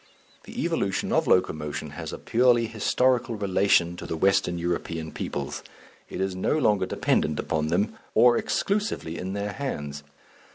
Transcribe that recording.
The evolution of locomotion has a purely historical relation to the Western European peoples. It is no longer dependent upon them, or exclusively in their hands.